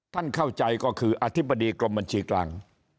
ท่านเข้าใจก็คืออธิบดีกรมบัญชีกลาง